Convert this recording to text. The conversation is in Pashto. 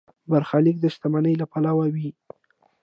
دا برخلیک د شتمنۍ له پلوه وي.